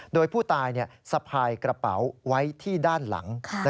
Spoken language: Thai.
โดยผู้ตายสะพายกระเป๋าไว้ที่ด้านหลัง